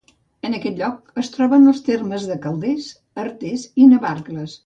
En aquest lloc es troben els termes de Calders, Artés i Navarcles.